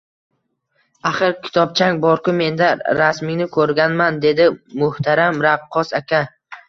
Axir kitobchang, borku menda, rasmingni ko`rganman, dedi muhtaram raqqos aka